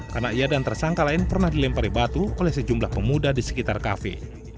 karena ia dan tersangka lain pernah dilempari batu oleh sejumlah pemuda di sekitar kafe